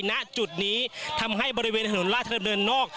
ณจุดนี้ทำให้บริเวณถนนราชดำเนินนอก